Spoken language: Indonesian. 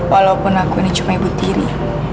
walaupun aku ini cuma ibu tiri